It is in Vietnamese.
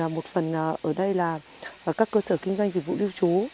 một phần ở đây là các cơ sở kinh doanh dịch vụ lưu trú